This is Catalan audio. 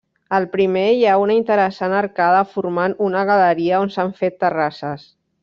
Al primer hi ha una interessant arcada formant una galeria on s'han fet terrasses.